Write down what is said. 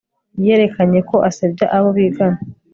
yerekanye ko asebya abo bigana